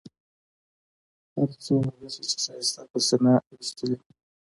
هر څو غشي چې ښایسته پر سینه ویشتلي.